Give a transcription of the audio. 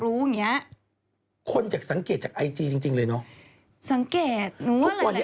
ทุกวันนี้ไอจียังมาเล่าเรื่องน่ะ